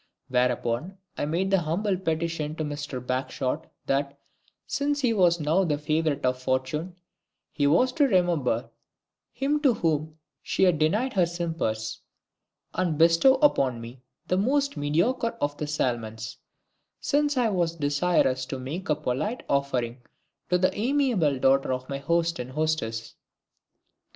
Whereupon I made the humble petition to Mister BAGSHOT that, since he was now the favourite of Fortune, he was to remember him to whom she had denied her simpers, and bestow upon me the most mediocre of the salmons, since I was desirous to make a polite offering to the amiable daughter of my host and hostess.